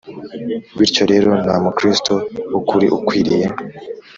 Bityo rero nta Mukristo w ukuri ukwiriye